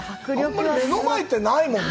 あんま目の前ってないもんね。